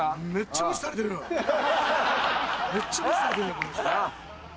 めっちゃ無視されてるこの人。